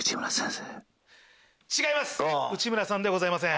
違います内村さんではございません。